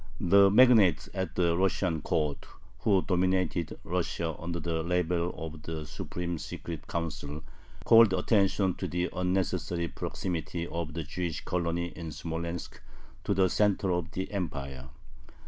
The magnates at the Russian court, who dominated Russia under the label of "The Supreme Secret Council," called attention to the unnecessary proximity of the Jewish colony in Smolensk to the center of the Empire.